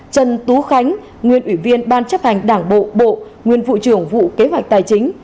trần tú khánh nguyên ủy viên ban chấp hành đảng bộ bộ nguyên vụ trưởng vụ kế hoạch tài chính